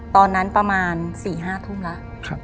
ตอนนั้นประมาณ๔๕ทุ่มแล้ว